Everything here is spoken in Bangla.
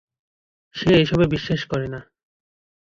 সে এসবে বিশ্বাস করে না।